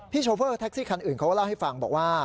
โชเฟอร์แท็กซี่คันอื่นเขาก็เล่าให้ฟังบอกว่า